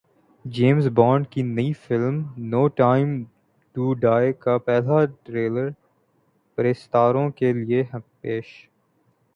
James Bond کی نئی film no time to die کا پہلا ٹریلر پرستاروں کے لیے پیش